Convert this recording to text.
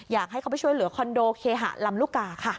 อยากให้เขาไปช่วยเหลือคอนโดเคหะลำลูกกาค่ะ